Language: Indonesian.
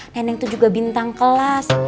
neneng itu juga bintang kelas